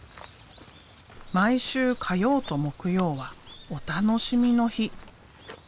毎週火曜と木曜はお楽しみの日。